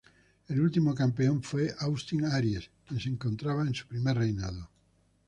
El último campeón fue Austin Aries, quien se encontraba en su primer reinado.